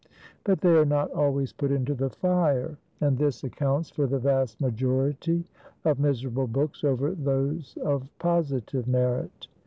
But they are not always put into the fire; and this accounts for the vast majority of miserable books over those of positive merit.